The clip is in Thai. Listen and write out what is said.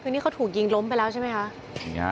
คือนี่เขาถูกยิงล้มไปแล้วใช่ไหมคะ